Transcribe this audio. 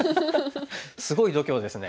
すごい度胸ですね。